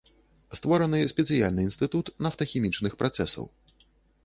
Створаны спецыяльны інстытут нафтахімічных працэсаў.